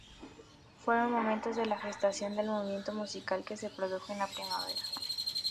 Fueron momentos de la gestación del movimiento musical que se produjo en la primavera.